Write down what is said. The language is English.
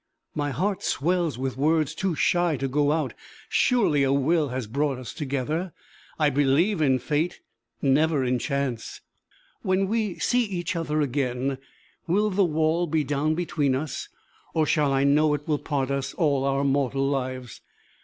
"My heart swells with words too shy to go out. Surely a Will has brought us together! I believe in fate, never in chance! "When we see each other again, will the wall be down between us, or shall I know it will part us all our mortal lives?